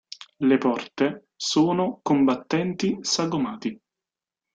Le porte sono con battenti sagomati.